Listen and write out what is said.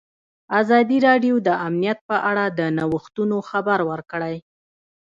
ازادي راډیو د امنیت په اړه د نوښتونو خبر ورکړی.